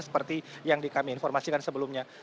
seperti yang kami informasikan sebelumnya